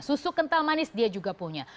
susu kental manis dia juga punya